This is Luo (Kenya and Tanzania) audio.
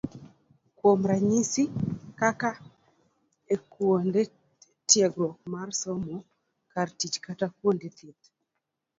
Kuom ranyisi, kaka e kuonde tiegruok mar somo, kar tich kata kuonde thieth.